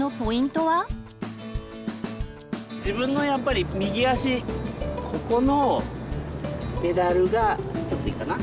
自分のやっぱり右足ここのペダルがちょっといいかな？